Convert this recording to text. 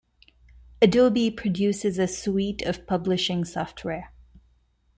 Adobe produces a suite of publishing software.